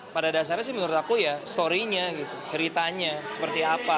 pada dasarnya sih menurut aku ya story nya gitu ceritanya seperti apa